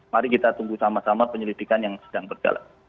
mari kita tunggu sama sama penyelidikan yang sedang berjalan